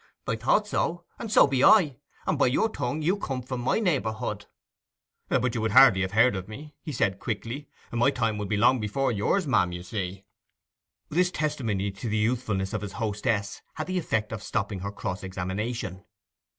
'I thought so. And so be I; and by your tongue you come from my neighbourhood.' 'But you would hardly have heard of me,' he said quickly. 'My time would be long before yours, ma'am, you see.' This testimony to the youthfulness of his hostess had the effect of stopping her cross examination.